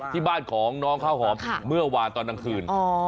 ที่บ้านของน้องข้าวหอมเมื่อวานตอนกลางคืน